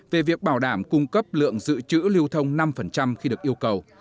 về việc bảo đảm cung cấp lượng dự trữ lưu thông năm khi được yêu cầu